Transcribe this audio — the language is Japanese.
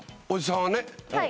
おじさんはね。